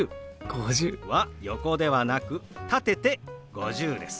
５０。は横ではなく立てて「５０」です。